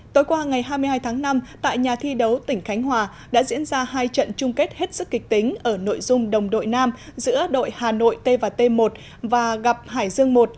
tối qua ngày hai mươi hai tháng năm tại nhà thi đấu tỉnh khánh hòa đã diễn ra hai trận chung kết hết sức kịch tính ở nội dung đồng đội nam giữa đội hà nội t và t một và gặp hải dương một